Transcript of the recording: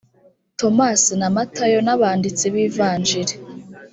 tomasi na matayo nabanditsi bivanjiri.